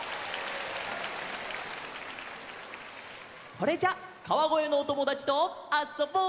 それじゃあ川越のおともだちとあっそぼう！